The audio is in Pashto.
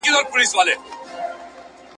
د کښتۍ له منځه پورته واویلا وه ,